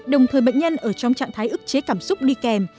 đồng thời bệnh nhân ở trong trạng thái ức chế cảm xúc đi kèm